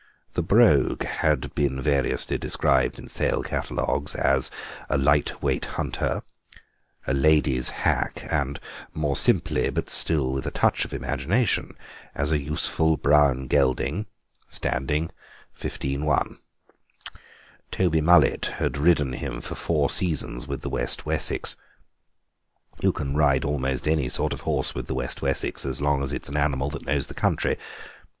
The Brogue had been variously described in sale catalogues as a light weight hunter, a lady's hack, and, more simply, but still with a touch of imagination, as a useful brown gelding, standing 15.1. Toby Mullet had ridden him for four seasons with the West Wessex; you can ride almost any sort of horse with the West Wessex as long as it is an animal that knows the country.